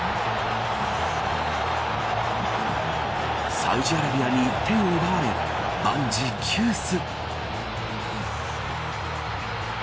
サウジアラビアに１点を奪われ万事休す。